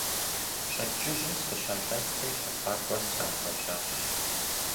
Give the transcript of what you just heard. Пщэдджыжьым сыкъыщалъэфри лъыхъуакӀуэ срагъэжьащ.